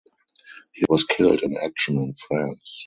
He was killed in action in France.